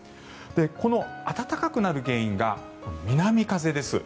この暖かくなる原因が南風です。